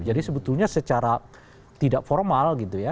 jadi sebetulnya secara tidak formal gitu ya